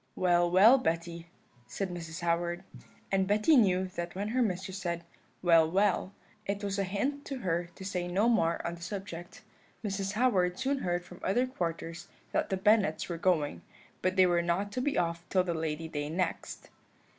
"'Well, well, Betty,' said Mrs. Howard, and Betty knew that when her mistress said, 'Well, well,' it was a hint to her to say no more on the subject. Mrs. Howard soon heard from other quarters that the Bennets were going, but they were not to be off till the Lady Day next.